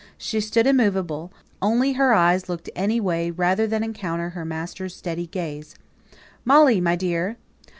She stood immovable, only her eyes looked any way rather than encounter her master's steady gaze. "Molly, my dear!"